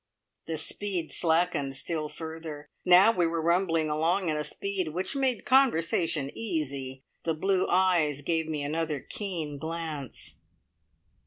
The speed slackened still further. Now we were rumbling along at a speed which made conversation easy. The blue eyes gave me another keen glance.